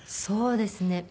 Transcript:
そうですね。